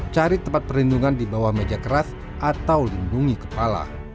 cari tempat perlindungan di bawah meja keras atau lindungi kepala